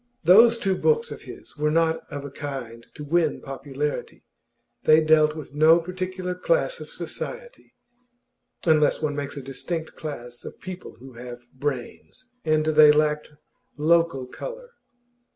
Those two books of his were not of a kind to win popularity. They dealt with no particular class of society (unless one makes a distinct class of people who have brains), and they lacked local colour.